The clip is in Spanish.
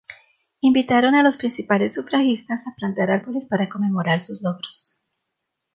Invitaron a las principales sufragistas a plantar árboles para conmemorar sus logros.